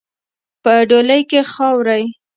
په ډولۍ کې خاروئ.